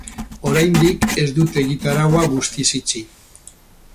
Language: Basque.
Oraindik ez dute egitaraua guztiz itxi.